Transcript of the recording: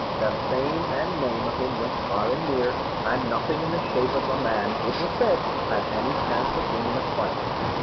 The fame and name of him went far and near; and nothing in the shape of a man, it was said, had any chance with him in a fight.